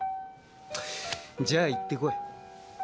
じゃあ行ってこい。